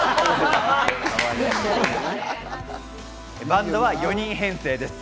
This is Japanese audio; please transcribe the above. バンドは４人編成です。